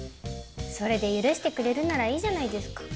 それで許してくれるならいいじゃないですか。